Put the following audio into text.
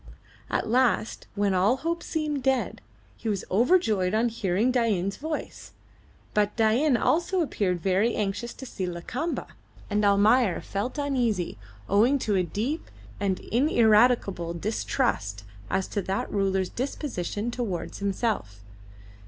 At last, when all hope seemed dead, he was overjoyed on hearing Dain's voice; but Dain also appeared very anxious to see Lakamba, and Almayer felt uneasy owing to a deep and ineradicable distrust as to that ruler's disposition towards himself.